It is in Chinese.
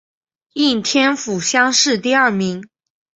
应天府乡试第二名。